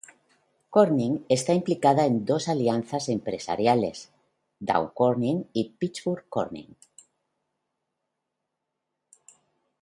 Corning está implicada en dos alianzas empresariales: "Dow Corning" y "Pittsburgh Corning".